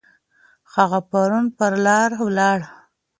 هغه پرون پر لارې ولاړی.